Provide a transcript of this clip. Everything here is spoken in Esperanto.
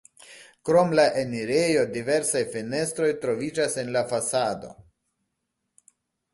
Krom la enirejo diversaj fenestroj troviĝas en la fasado.